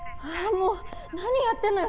もう何やってんのよ